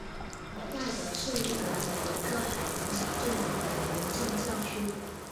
赖德是英格兰的一个海滨小镇和民政教区。